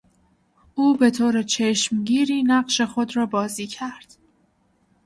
او به طور چشمگیری نقش خود را بازی کرد.